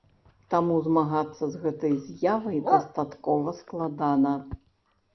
Таму змагацца з гэтай з'явай дастаткова складана.